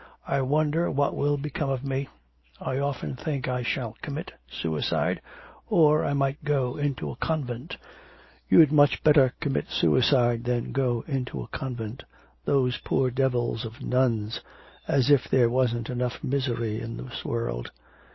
I wonder what will become of me. I often think I shall commit suicide. Or I might go into a convent.' 'You'd much better commit suicide than go into a convent. Those poor devils of nuns! as if there wasn't enough misery in this world.